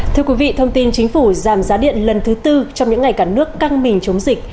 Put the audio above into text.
thưa quý vị thông tin chính phủ giảm giá điện lần thứ tư trong những ngày cả nước căng mình chống dịch